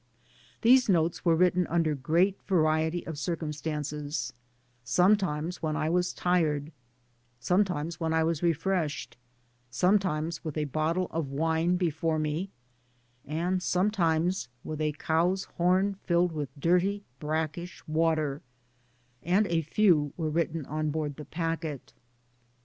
These notes were written under great variety of circumstance, sometimes when I was tired, sometimes when I was refreshed, sometimes with a bottle of wine before me, and sometimes with a cow's hom filled with dirty brackish water ; and a few were written on board the packet.